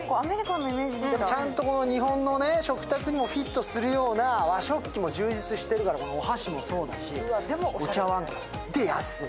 ちゃんと日本の食卓にもフィットするような和食器も充実してるから、お箸もそうだし、お茶わんとか、で、安い。